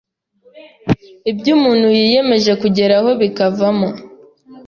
ibyo umuntu yiyemeje kugeraho bikavamo